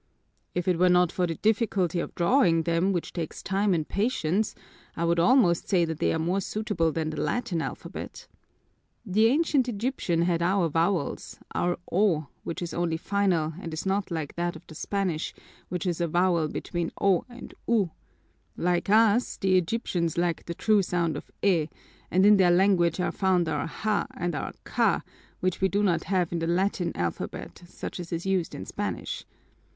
"If it were not for the difficulty of drawing them, which takes time and patience, I would almost say that they are more suitable than the Latin alphabet. The ancient Egyptian had our vowels; our o, which is only final and is not like that of the Spanish, which is a vowel between o and u. Like us, the Egyptians lacked the true sound of e, and in their language are found our ha and kha, which we do not have in the Latin alphabet such as is used in Spanish.